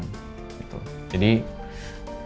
jadi maksud aku ngasih perhiasan